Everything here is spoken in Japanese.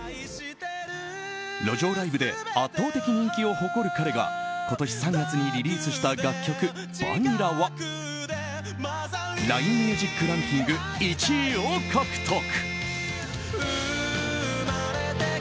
路上ライブで圧倒的人気を誇る彼が今年３月にリリースした楽曲「バニラ」はＬＩＮＥＭＵＳＩＣランキング１位を獲得！